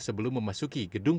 sebelum memasuki gedung